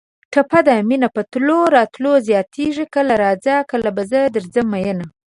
ټپه ده: مینه په تلو راتلو زیاتېږي کله راځه کله به زه درځم مینه